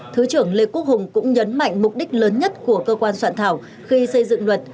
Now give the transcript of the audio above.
thứ trưởng lê quốc hùng cũng nhấn mạnh mục đích lớn nhất của cơ quan soạn thảo khi xây dựng luật